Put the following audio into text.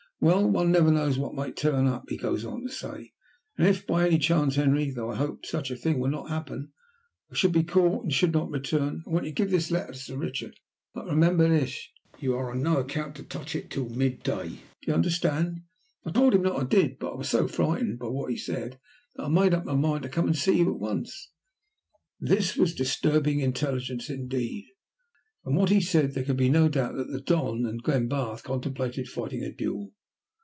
Well, one never knows what may turn up,' he goes on to say, 'and if, by any chance, Henry though I hope such a thing will not happen I should be caught, and should not return, I want you to give this letter to Sir Richard. But remember this, you are on no account to touch it until mid day. Do you understand?' I told him that I did, but I was so frightened, sir, by what he said, that I made up my mind to come and see you at once." This was disturbing intelligence indeed. From what he said there could be no doubt that the Don and Glenbarth contemplated fighting a duel.